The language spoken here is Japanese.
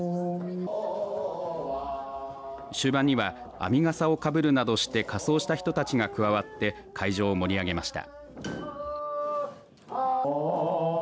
終盤には編み笠をかぶるなどして仮装した人たちが加わって会場を盛り上げました。